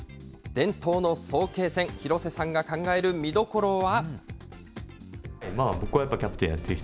伝統の早慶戦、廣瀬さんが考える見どころは。